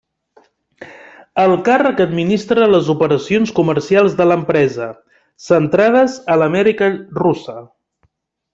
El càrrec administra les operacions comercials de l'empresa, centrades a l'Amèrica Russa.